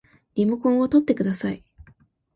リモコンをとってください